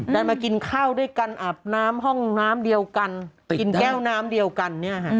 ดันมากินข้าวด้วยกันอาบน้ำห้องน้ำเดียวกันกินแก้วน้ำเดียวกัน